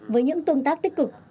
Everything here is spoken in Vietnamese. với những tương tác tích cực